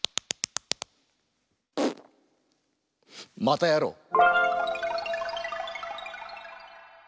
またやろう！